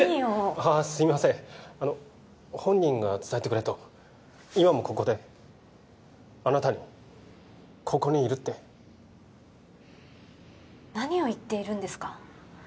ああすいません本人が伝えてくれと今もここであなたにここにいるって何を言っているんですか？